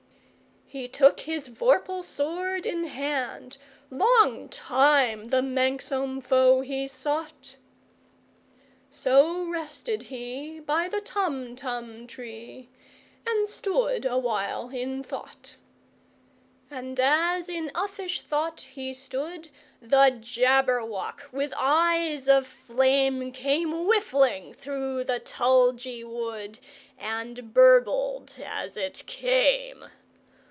He took his vorpal sword in hand:Long time the manxome foe he sought—So rested he by the Tumtum tree, And stood awhile in thought. And as in uffish thought he stood, The Jabberwock, with eyes of flame, Came whiffling through the tulgey wood, And burbled as it came!